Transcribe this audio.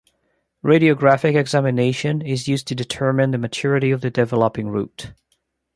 Radiographic examination is used to determine the maturity of the developing root.